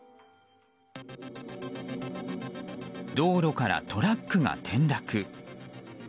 道路からトラックが転落。